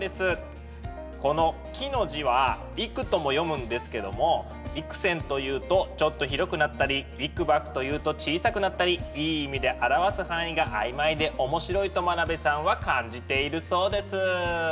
この幾の字は幾とも読むんですけども幾千というとちょっと広くなったり幾ばくというと小さくなったりいい意味で表す範囲が曖昧で面白いと真鍋さんは感じているそうです。